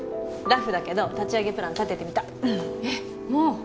ラフだけど立ち上げプラン立ててみたえっもう？